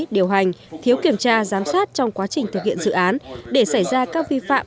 điều hành thiếu kiểm tra giám sát trong quá trình thực hiện dự án để xảy ra các vi phạm